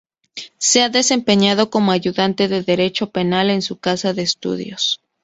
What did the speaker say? Se ha desempeñado como ayudante de derecho penal en su casa de estudios.